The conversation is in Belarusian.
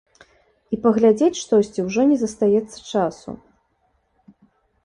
І паглядзець штосьці ўжо не застаецца часу.